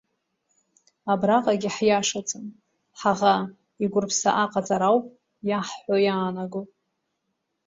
Абраҟагьы ҳиашаӡам, ҳаӷа игәырԥса аҟаҵара ауп иаҳҳәо иаанаго.